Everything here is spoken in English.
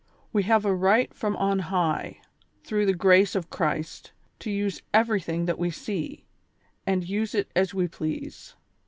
"• AVe have a right from on high, through the grace of Christ, to use everything that we see, and use it as we please.